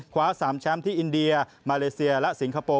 คว้า๓แชมป์ที่อินเดียมาเลเซียและสิงคโปร์